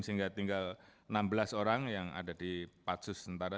sehingga tinggal enam belas orang yang ada di patsus tentara